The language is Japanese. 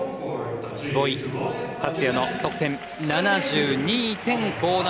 壷井達也の得点７２．５７。